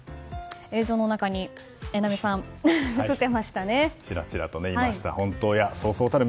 映像の中に榎並さん映っていましたね。